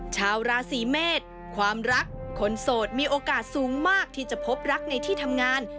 ชาวราศีเมษความรักคนโสดมีโอกาสสูงมากที่จะพบรักในที่ทำงาน